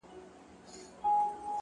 د انتظار خبري ډيري ښې دي ـ